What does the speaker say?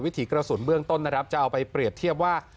ถีกระสุนเบื้องต้นนะครับจะเอาไปเปรียบเทียบว่า